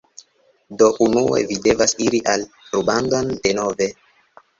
Do unue vi devas iri al rubandon denove